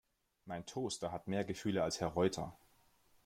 Mein Toaster hat mehr Gefühle als Herr Reuter!